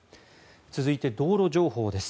続いて道路情報です。